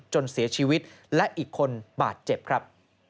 จนเสียชีวิตและอีกคนบาดเจ็บครับ